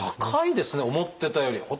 高いですね思ってたより。